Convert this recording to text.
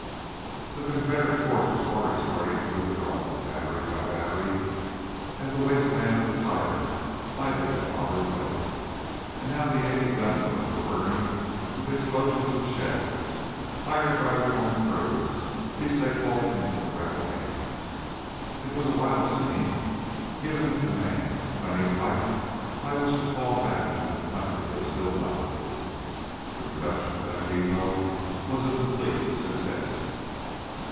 The Confederate force was already starting withdrawal, battery by battery, as the wasteland of the fire lighted them on their way. And now the Yankee gunboats were burning with explosions of shells, fired by their own crews lest they fall into Rebel hands. It was a wild scene, giving the command plenty of light by which to fall back into the country they still dominated. The reduction of the depot was a complete success.